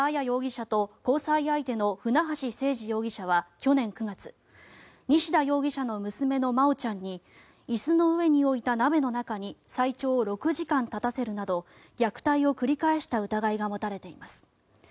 容疑者と交際相手の船橋誠二容疑者は去年９月西田容疑者の娘の真愛ちゃんに椅子の上に置いた鍋の中に最長６時間立たせるなど虐待を繰り返した疑いが持たれています。